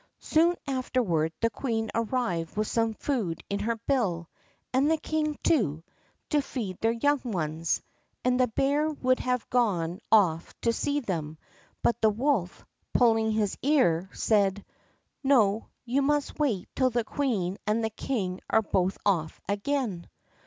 Soon afterward the queen arrived with some food in her bill, and the king, too, to feed their young ones, and the bear would have gone off to see them, but the wolf, pulling his ear, said: "No, you must wait till the queen and the king are both off again."